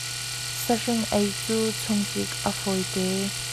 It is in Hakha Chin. Sahring ei cu chungtlik a fawi te.